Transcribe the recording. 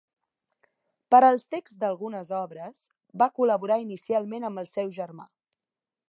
Per als texts d'algunes obres va col·laborar inicialment amb el seu germà.